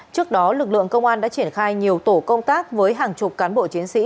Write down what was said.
trước đó lực lượng công an đã triển khai nhiều tổ công tác với hàng chục cán bộ chiến sĩ